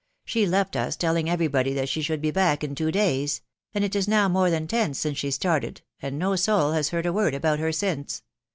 She left us telling every body that she should be back in two days ; and it is now more than ten since she started, and no soul has heard a word about her since.